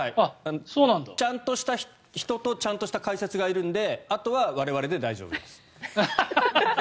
ちゃんとした人とちゃんとした解説がいるのであとは我々で大丈夫です。